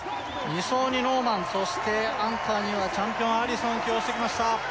２走にノーマンそしてアンカーにはチャンピオン・アリソン起用してきました